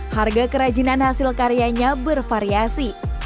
harga kerajinan hasil karyanya bervariasi